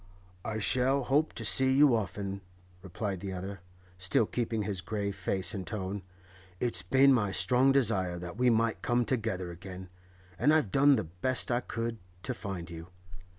'I shall hope to see you often,' replied the other, still keeping his grave face and tone. 'It's been my strong desire that we might come together again, and I've done the best I could to find you.